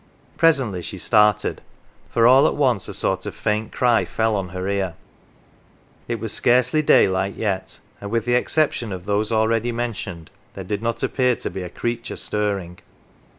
Presently she started, for all at once a sort of faint cry fell on her ear. It was scarcely daylight yet, and, with the exception of those already mentioned, there did not appear to be a creature stirring.